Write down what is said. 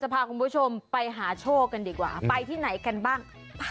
พาคุณผู้ชมไปหาโชคกันดีกว่าไปที่ไหนกันบ้าง